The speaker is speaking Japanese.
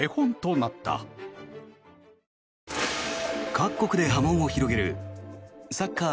各国で波紋を広げるサッカー